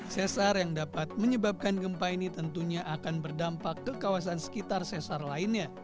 sesar yang dapat menyebabkan gempa ini tentunya akan berdampak ke kawasan sekitar sesar lainnya